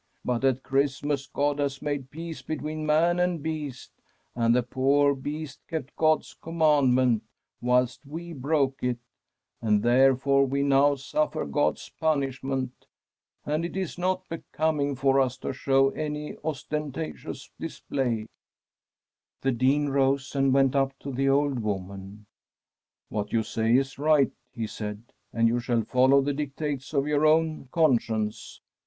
But at Christmas God has made peace between man and beast, and the poor beast kept God's command ment, whilst we broke it, and therefore we now suffer God's punishment ; and it is not becoming for us to show any ostentatious display.' ¥rm a SWEDISH HOMESTEAD The Dean rose and went up to the old woman. ' What you say is right/ he said, ' and you shall follow the dictates of your own conscience.'